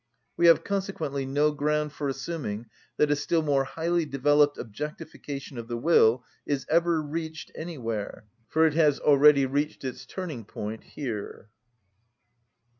We have consequently no ground for assuming that a still more highly developed objectification of the will is ever reached, anywhere; for it has already reached its turning‐point here.